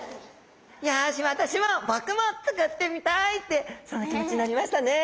よし私も僕も作ってみたいってそんな気持ちになりましたね。